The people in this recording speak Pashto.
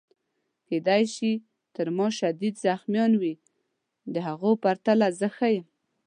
کیدای شي تر ما شدید زخمیان وي، د هغو په پرتله زه ښه یم.